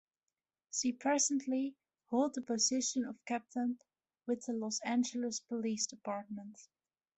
She presently hold the position of Captain with the Los Angeles Police Department.